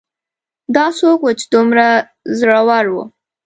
دا څوک و چې دومره زړور و